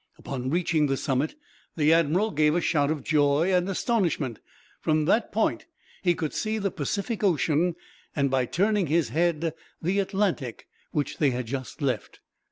Upon reaching the summit, the admiral gave a shout of joy and astonishment. From that point he could see the Pacific Ocean, and by turning his head the Atlantic, which they had just left.